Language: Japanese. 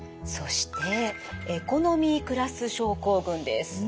そしてエコノミークラス症候群です。